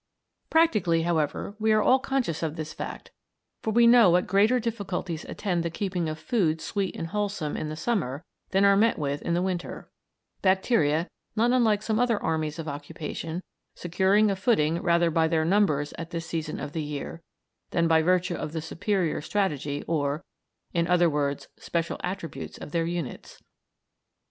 Practically, however, we are all conscious of this fact, for we know what greater difficulties attend the keeping of food sweet and wholesome in the summer than are met with in the winter; bacteria, not unlike some other armies of occupation, securing a footing rather by their numbers at this season of the year, than by virtue of the superior strategy or, in other words, special attributes of their units.